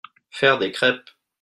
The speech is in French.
Faire des crèpes.